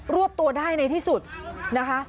วบตัวได้ในที่สุดนะคะ